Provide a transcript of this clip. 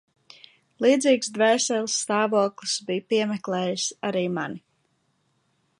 Līdzīgs dvēseles stāvoklis bija piemeklējis arī mani.